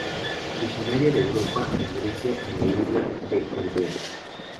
Originaria de Europa en Grecia en la isla de Eubea.